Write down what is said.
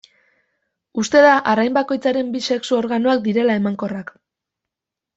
Uste da arrain bakoitzaren bi sexu organoak direla emankorrak.